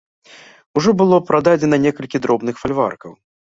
Ужо было прададзена некалькі дробных фальваркаў.